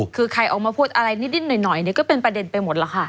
คือใครออกมาพูดอะไรนิดหน่อยก็เป็นประเด็นไปหมดแล้วค่ะ